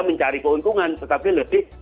mencari keuntungan tetapi lebih